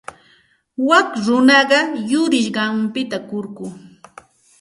Wak runaqa yurisqanpita kurku.